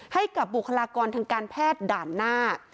ให้กับบุคลากรทางการแพทย์ด่านหน้า